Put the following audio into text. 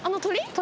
鳥。